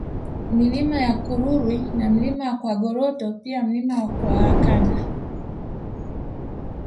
Milima ya Kurwirwi na Mlima Kwagoroto pia Mlima Kwakanda